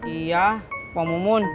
iya pak mumun